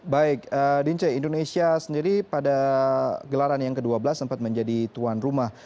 baik dince indonesia sendiri pada gelaran yang ke dua belas sempat menjadi tuan rumah